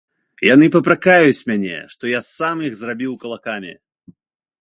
Яны папракаюць мяне, што я сам іх зрабіў кулакамі.